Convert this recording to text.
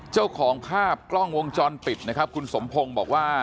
เจ้าของภาพกล้องวงจรปิดนะครับคุณสมพงศ์บอกว่า